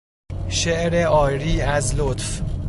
شعر عاری از لطف